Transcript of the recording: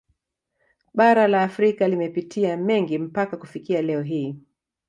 Bara la Afrika limepitia mengi mpaka kufikia leo hii